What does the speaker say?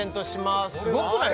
すごくない？